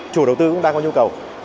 chủ đầu tư cũng đang có nhu cầu